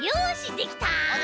できた？